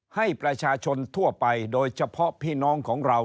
ให้ประชาชนทั่วไปโดยเฉพาะพี่น้องของเรา